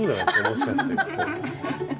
もしかして。